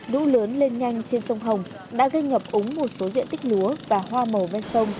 lũ lớn lên nhanh trên sông hồng đã gây ngập úng một số diện tích lúa và hoa màu bên sông